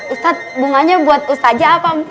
ustaz bunganya buat ustazah apa mpo